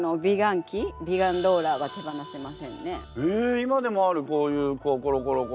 今でもあるこういうこうコロコロコロ。